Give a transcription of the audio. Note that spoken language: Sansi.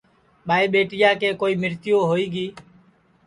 ٻائی ٻیٹیا کے کوئی مرتیو ہوئی گی